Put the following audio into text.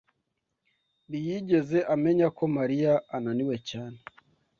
ntiyigeze amenya ko Mariya ananiwe cyane.